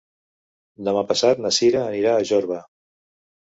Demà passat na Cira anirà a Jorba.